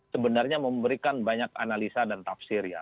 sebenarnya memberikan banyak analisa dan tafsir ya